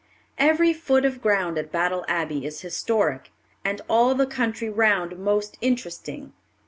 Every foot of ground at Battle Abbey is historic, and all the country round most interesting.